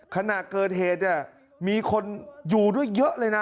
ขณะเกิดเหตุมีคนอยู่ด้วยเยอะเลย